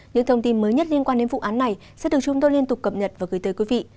những thông tin mới nhất liên quan đến vụ án này sẽ được chúng tôi liên tục cập nhật và gửi tới quý vị